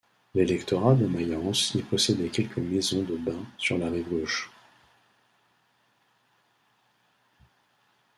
L'électorat de Mayence y possédait quelques maisons de bain sur la rive gauche.